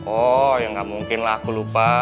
oh ya nggak mungkin lah aku lupa